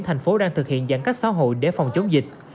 thành phố đang thực hiện giãn cách xã hội để phòng chống dịch